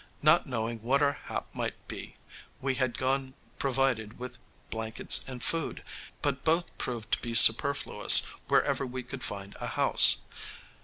Not knowing what our hap might be, we had gone provided with blankets and food, but both proved to be superfluous wherever we could find a house.